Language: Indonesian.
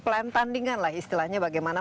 plan tandingan lah istilahnya bagaimana